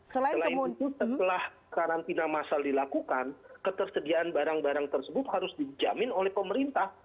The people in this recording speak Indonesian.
selain itu setelah karantina masal dilakukan ketersediaan barang barang tersebut harus dijamin oleh pemerintah